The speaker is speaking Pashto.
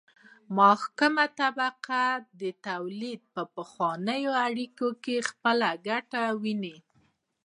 حاکمه طبقه د تولید په پخوانیو اړیکو کې خپله ګټه ویني.